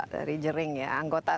dari jering ya anggota